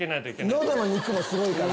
喉の肉もすごいから。